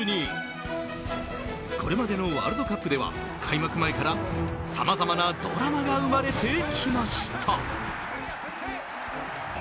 これまでのワールドカップでは開幕前からさまざまなドラマが生まれてきました。